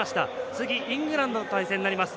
次、イングランドとの対戦になります。